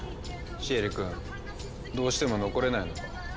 シエリ君どうしても残れないのか。